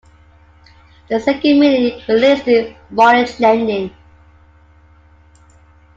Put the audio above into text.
The second meaning relates to mortgage lending.